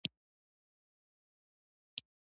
د سوات له مينګورې ښاره نژدې له دری ساعته سفر وروسته.